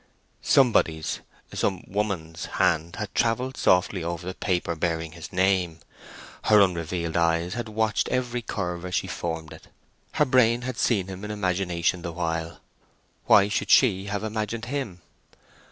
Somebody's—some woman's—hand had travelled softly over the paper bearing his name; her unrevealed eyes had watched every curve as she formed it; her brain had seen him in imagination the while. Why should she have imagined him?